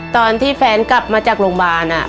ตอนที่แฟนกลับมาจากโรงพยาบาล